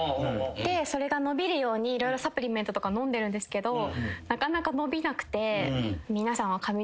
それが伸びるようにサプリメントとかのんでるんですけどなかなか伸びなくて皆さん。